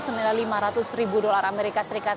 senilai lima ratus ribu dolar as